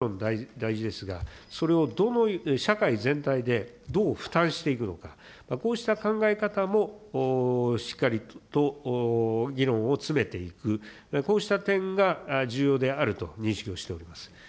予算、もちろん大事ですが、それを社会全体でどう負担していくのか、こうした考え方も、しっかりと議論を詰めていく、こうした点が重要であると認識をしております。